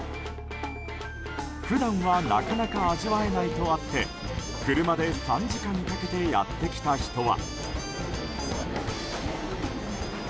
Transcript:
普段はなかなか味わえないとあって車で３時間かけてやってきた人は。